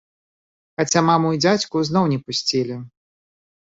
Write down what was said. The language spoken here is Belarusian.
Хаця маму і дзядзьку зноў не пусцілі.